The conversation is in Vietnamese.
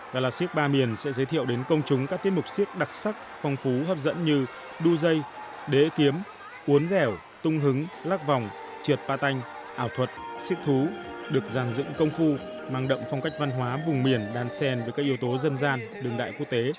gala siếc ba miền sẽ giới thiệu đến công chúng các tiết mục siếc đặc sắc phong phú hấp dẫn như đu dây đế kiếm uốn dẻo tung hứng lắc vòng trượt ba tanh ảo thuật siếc thú được giàn dựng công phu mang động phong cách văn hóa vùng miền đàn sen với các yếu tố dân gian đường đại quốc tế